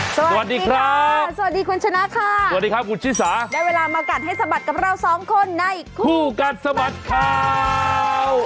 สวัสดีครับสวัสดีคุณชนะค่ะสวัสดีครับคุณชิสาได้เวลามากัดให้สะบัดกับเราสองคนในคู่กัดสะบัดข่าว